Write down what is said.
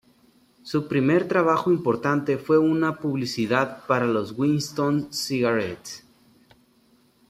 Su primer trabajo importante fue en una publicidad para los Winston Cigarettes.